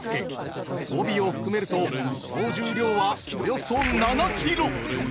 帯を含めると総重量はおよそ７キロ！